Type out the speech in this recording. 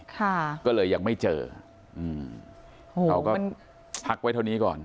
ค่ะก็เลยยังไม่เจออืมเราก็พักไว้เท่านี้ก่อน